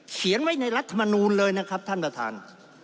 เขียนไว้ในรัฐมนูลเลยนะครับท่านประธาน